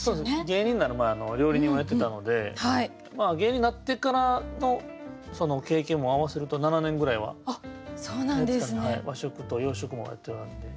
芸人になる前料理人をやってたので芸人になってからの経験も合わせると７年ぐらいはやってたんで。